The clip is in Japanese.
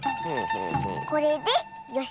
これでよし。